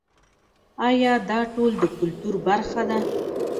آیا دا ټول د کلتور برخه ده؟